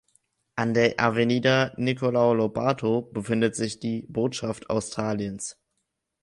An der "Avenida Nicolau Lobato" befindet sich die Botschaft Australiens.